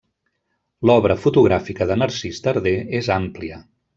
L'obra fotogràfica de Narcís Darder és àmplia.